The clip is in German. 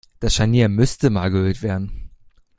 Das Scharnier müsste mal geölt werden.